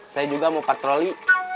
saya juga mau patroli